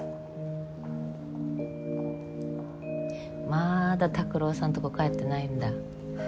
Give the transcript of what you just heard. まだ拓郎さんとこ帰ってないんだ。